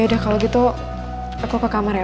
ya udah kalau gitu aku ke kamar ya pa